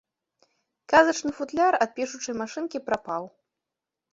Казачны футляр ад пішучай машынкі прапаў.